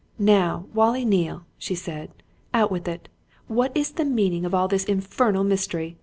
"Now, Wallie Neale!" she said, "out with it! What is the meaning of all this infernal mystery?